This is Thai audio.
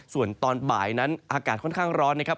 ส่วนตอนบ่ายนั้นอากาศค่อนข้างร้อนนะครับ